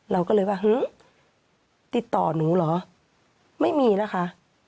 เราก็เลยว่าติดต่อหนูเหรอไม่มีนะคะ